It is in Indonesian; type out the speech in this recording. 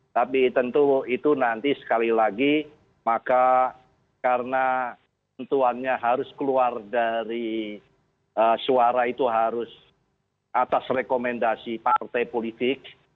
tapi tentu itu nanti sekali lagi maka karena tentuannya harus keluar dari suara itu harus atas rekomendasi partai politik